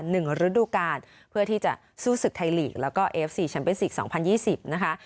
ฤดูกาลเพื่อที่จะสู้ศึกไทยลีกแล้วก็เอฟซีแมนสิกสองพันยี่สิบนะคะ